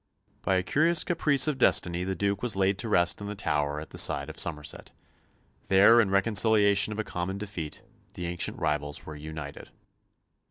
By a curious caprice of destiny the Duke was laid to rest in the Tower at the side of Somerset. There, in the reconciliation of a common defeat, the ancient rivals were united.